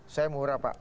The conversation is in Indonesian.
saya murah pak